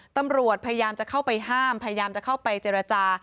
ตำรวจพยายามจะเข้าไปห้ามพยายามจะเข้าไปเจรจา